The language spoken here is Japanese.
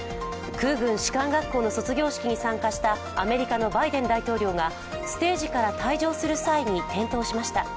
空軍士官学校の卒業式に参加したアメリカのバイデン大統領がステージから退場する際に転倒しました。